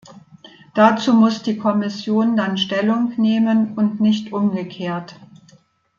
Dazu muss die Kommission dann Stellung nehmen, und nicht umgekehrt.